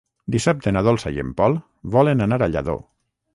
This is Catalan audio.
Dissabte na Dolça i en Pol volen anar a Lladó.